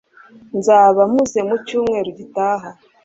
nzaba mpuze mu cyumweru gitaha